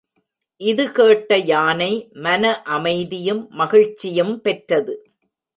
இதுகேட்ட யானை மன அமைதியும் மகிழ்ச்சியும் பெற்றது.